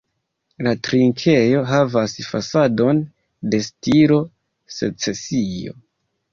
La trinkejo havas fasadon de stilo secesio.